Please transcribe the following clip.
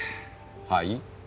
はい？